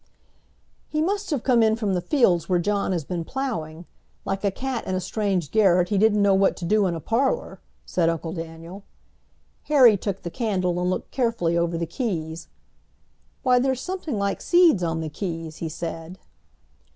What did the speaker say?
"He must have come in from the fields where John has been plowing. Like a cat in a strange garret, he didn't know what to do in a parlor," said Uncle Daniel. Harry took the candle and looked carefully over the keys. "Why, there's something like seeds on the keys!" he said.